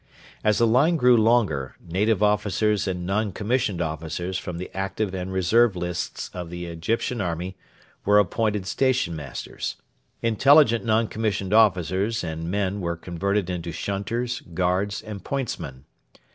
As the line grew longer, native officers and non commissioned officers from the active and reserve lists of the Egyptian Army were appointed station masters. Intelligent non commissioned officers and men were converted into shunters, guards, and pointsmen.